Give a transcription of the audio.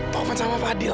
taufan sama fadil